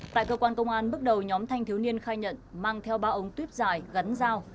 tại cơ quan công an bước đầu nhóm thanh thiếu niên khai nhận mang theo ba ống tuyếp dài gắn dao